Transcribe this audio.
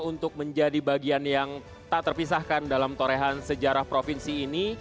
untuk menjadi bagian yang tak terpisahkan dalam torehan sejarah provinsi ini